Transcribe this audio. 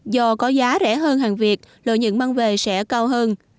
do có giá rẻ hơn hàng việt lợi nhận mang về sẽ cao hơn